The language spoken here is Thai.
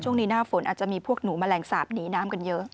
หน้าฝนอาจจะมีพวกหนูแมลงสาปหนีน้ำกันเยอะ